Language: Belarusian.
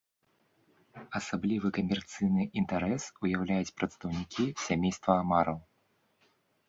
Асаблівы камерцыйны інтарэс уяўляюць прадстаўнікі сямейства амараў.